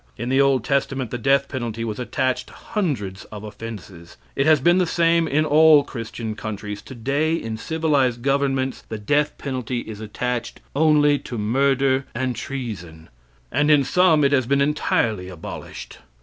In the Old Testament the death penalty was attached hundreds of offenses. It has been the same in all Christian countries. Today, in civilized governments, the death penalty is attached only to murder and treason; and in some it has been entirely abolished.